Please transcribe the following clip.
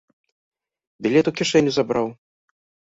Білет у кішэню забраў.